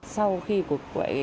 sau khi cuộc quẹo